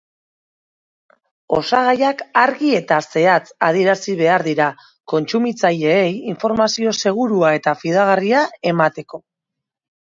Osagaiak argi eta zehatz adierazi behar dira, kontsumitzaileei informazio segurua eta fidagarria emateko.